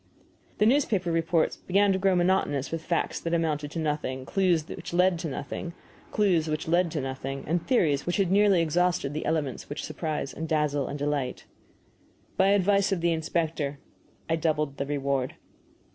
The newspaper reports began to grow monotonous with facts that amounted to nothing, clues which led to nothing, and theories which had nearly exhausted the elements which surprise and delight and dazzle. By advice of the inspector I doubled the reward.